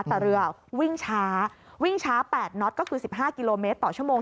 แต่เรือวิ่งช้าวิ่งช้า๘น็อตก็คือ๑๕กิโลเมตรต่อชั่วโมง